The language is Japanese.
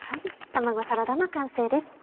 卵サラダの完成です。